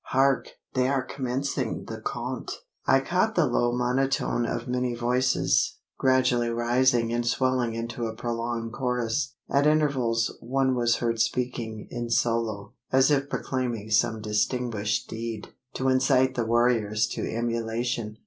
Hark! they are commencing the chaunt!" I caught the low monotone of many voices, gradually rising and swelling into a prolonged chorus. At intervals, one was heard speaking in solo: as if proclaiming some distinguished deed, to incite the warriors to emulation.